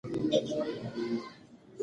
د جګړې پر ځای تفاهم باید عملي شي.